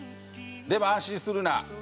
でも安心するな。